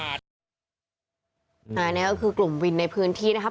อันนี้ก็คือกลุ่มวินในพื้นที่นะครับ